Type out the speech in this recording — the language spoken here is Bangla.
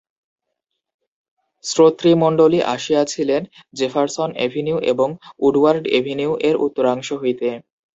শ্রোতৃমণ্ডলী আসিয়াছিলেন জেফারসন এভিনিউ এবং উডওয়ার্ড এভিনিউ-এর উত্তরাংশ হইতে।